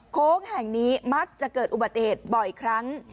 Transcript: โค้งแห่งนี้มักจะเกิดอุบัติเหตุบ่อยครั้ง